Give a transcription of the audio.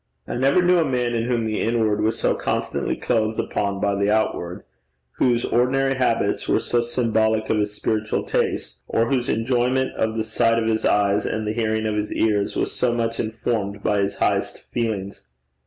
I never knew a man in whom the inward was so constantly clothed upon by the outward, whose ordinary habits were so symbolic of his spiritual tastes, or whose enjoyment of the sight of his eyes and the hearing of his ears was so much informed by his highest feelings.